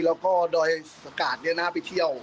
แล้วก็ดอยสกาตรนี่น่าไปเที่ยว